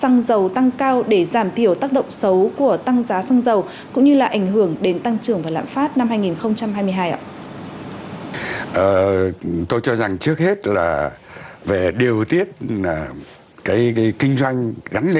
tăng dầu tăng cao để giảm thiểu tác động xấu của tăng giá xăng dầu cũng như là ảnh hưởng đến tăng trưởng và lãm phát năm hai nghìn hai mươi hai ạ